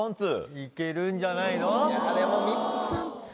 いけるんじゃないの？いや。